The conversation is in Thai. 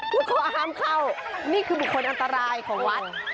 คือเขาห้ามเข้านี่คือบุคคลอันตรายของวัด